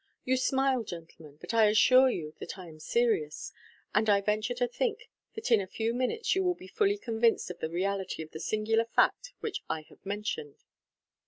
You smile, gentlemen, but I assure you that I am serious ; and I venture to think that in a few minutes you will be fully convinced of the reality of the singular fact which 1 have mentioned.